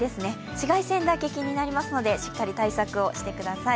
紫外線だけ気になりますので、しっかり対策をしてください。